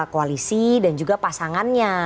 koalisi dan juga pasangannya